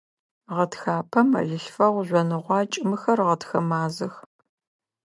Гъэтхапэ, мэлылъфэгъу, жъоныгъуакӀ – мыхэр гъэтхэ мазэх.